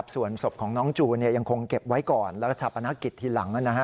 ส่วนศพของน้องจูนยังคงเก็บไว้ก่อนแล้วก็ชาปนกิจทีหลัง